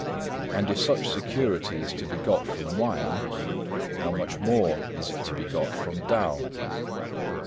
And if such security is to be got from wine, how much more is it to be got from Tao?"